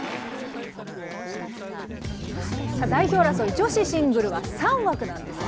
代表争い、女子シングルは３枠なんですね。